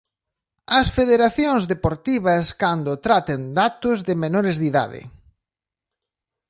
As federacións deportivas cando traten datos de menores de idade.